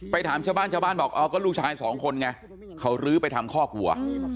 ถามชาวบ้านชาวบ้านบอกอ๋อก็ลูกชายสองคนไงเขาลื้อไปทำคอกวัว